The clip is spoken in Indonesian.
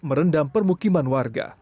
merendam permukiman warga